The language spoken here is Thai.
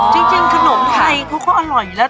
จริงขนมไทยเขาก็อร่อยแล้ว